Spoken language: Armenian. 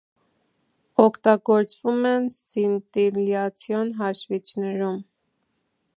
Օգտագործվում են սցինտիլյացիոն հաշվիչներում։